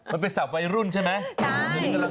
มันไปสับวัยรุ่นใช่ไหม